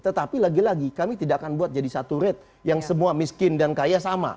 tetapi lagi lagi kami tidak akan buat jadi satu rate yang semua miskin dan kaya sama